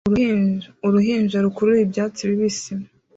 Uruhinja rukurura ibyatsi bibisi